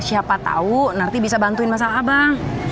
siapa tahu nanti bisa bantuin masalah abang